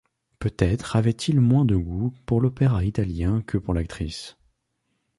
Peut-être avait-il moins de goût pour l’opéra italien que pour l’actrice.